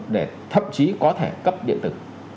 để thậm chí có thể cấp điện tử